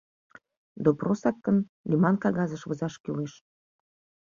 Допросак гын, лӱман кагазыш возаш кӱлеш.